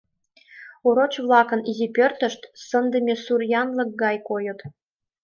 Ороч-влакын изи пӧртышт сындыме сур янлык-влак гай койыт.